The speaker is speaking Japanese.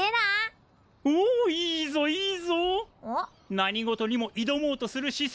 何事にもいどもうとする姿勢